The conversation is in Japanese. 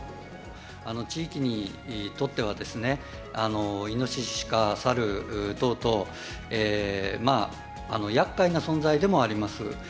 地域にとっては、イノシシ、シカ、サル等々、やっかいな存在でもあります。